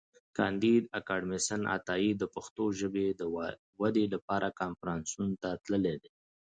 کانديد اکاډميسن عطایي د پښتو ژبي د ودي لپاره کنفرانسونو ته تللی دی.